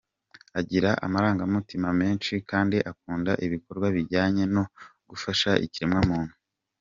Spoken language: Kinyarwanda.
Agira amarangamutima menshi kandi akunda ibikorwa bijyanye no gufasha ikiremwamuntu.